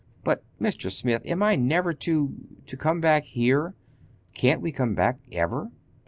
But, Mr. Smith, am I never to—to come back here? Can't we come back—ever?"